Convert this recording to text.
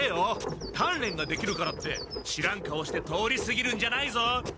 たんれんができるからって知らん顔して通りすぎるんじゃないぞ。